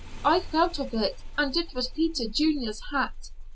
I felt of it, and it was Peter Junior's hat.